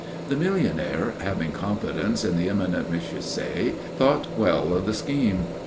The millionaire, having confidence in the eminent M. Say, thought well of the scheme.